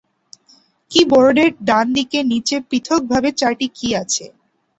কী বোর্ডের ডান দিকে নিচে পৃথক ভাবে চারটি কী আছে।